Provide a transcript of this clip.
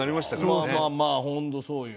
まあまあまあ本当そうよ。